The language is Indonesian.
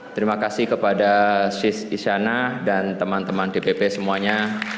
terima kasih kepada sis isyana dan teman teman dpp semuanya